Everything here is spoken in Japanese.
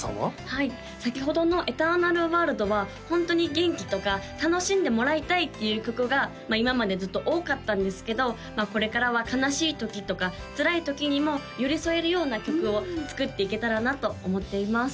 はい先ほどの「エターナルワールド」はホントに元気とか楽しんでもらいたいっていう曲が今までずっと多かったんですけどこれからは悲しいときとかつらいときにも寄り添えるような曲を作っていけたらなと思っています